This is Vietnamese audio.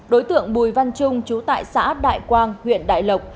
đối tượng bùi văn trung chú tại xã đại quang huyện đại lộc